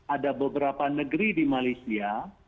ada beberapa negeri di malaysia